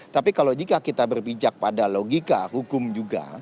tapi kalau jika kita berpijak pada logika hukum juga